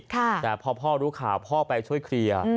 แต่พอพ่อรู้ข่าวพ่อไปช่วยเคลียร์